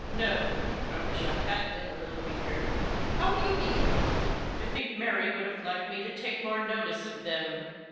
" No ; I wish I had been a little weaker." " How do you mean ?" "I think Mary would have liked me to take more notice of them."